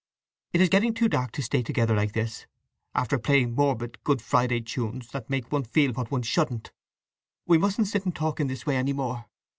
"It is getting too dark to stay together like this, after playing morbid Good Friday tunes that make one feel what one shouldn't! … We mustn't sit and talk in this way any more.